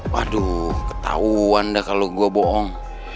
waduh ketauan dah kalau gue bohong